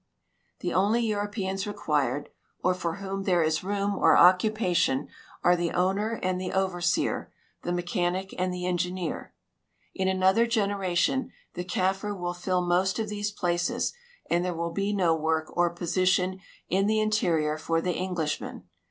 The only GEOGRAPHIC RELATION OF THE THREE AMERICAS 175 Europeans required, or for whom there is room or occupation, are the OAvner and the OA'erseer, the mechanic and tlie engineer. In another generation the Kaffir Avill fill most of these places, and there Avill l)e no Avork or ])Osition in the interior for the Englishman.